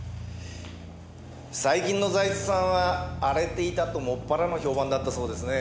最近の財津さんは荒れていたともっぱらの評判だったそうですね。